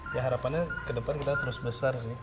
ya harapannya ke depan kita terus besar sih